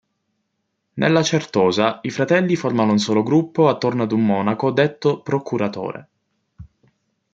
Nella certosa, i fratelli formano un solo gruppo attorno ad un monaco detto "procuratore".